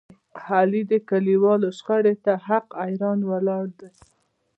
علي د کلیوالو شخړې ته حق حیران ولاړ دی.